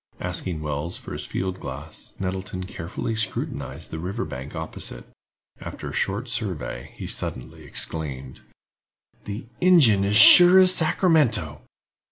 Asking Wells for his field glass, Nettleton carefully scrutinized the river's bank opposite. After a short survey he suddenly exclaimed: "The Ingen, as sure as Sacramento!"